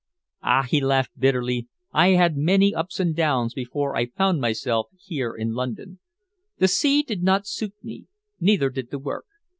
"Ah!" he laughed bitterly. "I had many ups and downs before I found myself here in London. The sea did not suit me neither did the work.